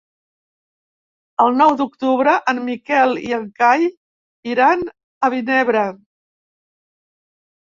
El nou d'octubre en Miquel i en Cai iran a Vinebre.